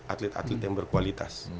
atlet atlet yang berkualitas